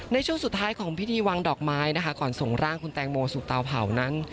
ในช่วงสุดท้ายของพิธีวางดอกไม้นะคะก่อนส่งร่างคุณแตงโมสู่เตาเผานั้น